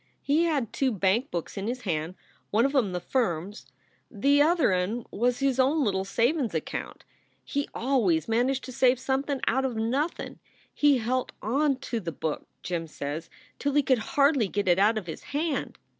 He had two bank books in his hand one of em the firm s, the other n was his own little savin s account. He always managed to save somethin out of nothin . He helt on to the book, Jim says, till he could hardly git it out of his hand.